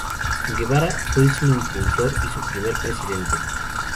Guevara fue su impulsor y su primer presidente.